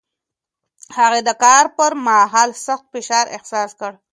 هغې د کار پر مهال سخت فشار احساس کړ.